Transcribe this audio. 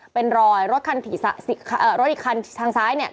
เป็นรอยรถอีกคันทางซ้ายเนี่ย